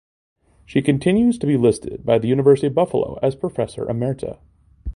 She continues to be listed by the University at Buffalo as professor emerita.